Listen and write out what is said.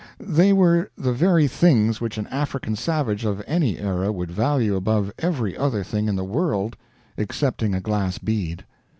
They were the very things which an African savage of any era would value above every other thing in the world excepting a glass bead.